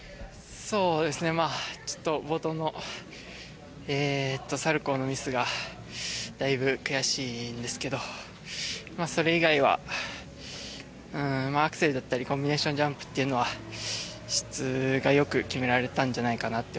そうですねまあちょっと冒頭のサルコーのミスがだいぶ悔しいんですけどそれ以外はアクセルだったりコンビネーションジャンプっていうのは質が良く決められたんじゃないかなって思います。